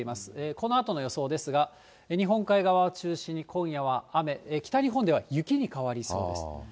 このあとの予想ですが、日本海側を中心に、今夜は雨、北日本では雪に変わりそうです。